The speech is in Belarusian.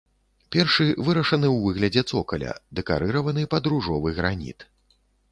Першы вырашаны ў выглядзе цокаля, дэкарыраваны пад ружовы граніт.